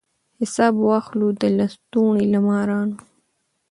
حساب واخلو د لستوڼي له مارانو